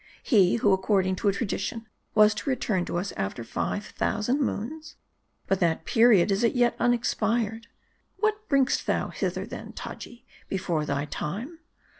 he, who according to a tradition, was to return to us after five thousand moons ? But that period is yet un expired. What bring'st thou hither then, Taji, before thy time